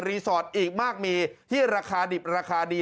สอดอีกมากมีที่ราคาดิบราคาดี